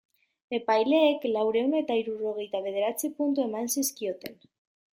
Epaileek laurehun eta hirurogeita bederatzi puntu eman zizkioten.